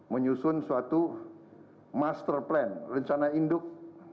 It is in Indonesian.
menyusun suatu master plan rencana induk